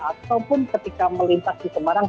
ataupun ketika melintas di semarang